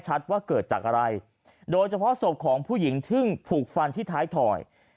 ว่าเกิดจากอะไรโดยเฉพาะศพของผู้หญิงซึ่งถูกฟันที่ท้ายถอย